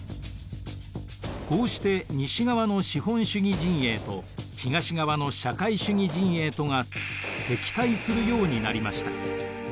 こうして西側の資本主義陣営と東側の社会主義陣営とが敵対するようになりました。